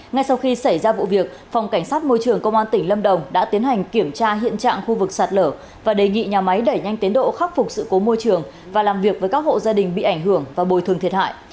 ngay sau khi xảy ra vụ việc phòng cảnh sát môi trường công an tỉnh lâm đồng đã tiến hành kiểm tra hiện trạng khu vực sạt lở và đề nghị nhà máy đẩy nhanh tiến độ khắc phục sự cố môi trường và làm việc với các hộ gia đình bị ảnh hưởng và bồi thường thiệt hại